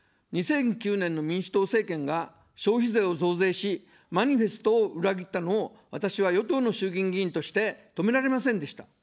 ２００９年の民主党政権が消費税を増税し、マニフェストを裏切ったのを、私は与党の衆議院議員として止められませんでした。